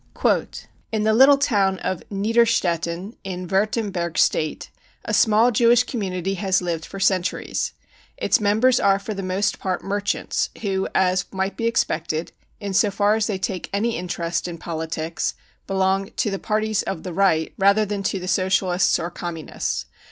" In the little town of Niederstetten, in Wurtemberg State, a small Jewish community has lived for centuries. Its members are for the most part merchants who, as might be expected, in so far as they take any interest in politics, belong to the Parties of the Right rather than to the Socialists or Communists.